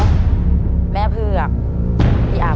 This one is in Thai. โจทย์สำหรับเรื่องนี้นะครับ